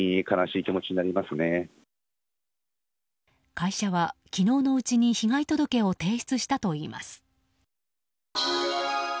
会社は昨日のうちにに被害届を提出したといいます。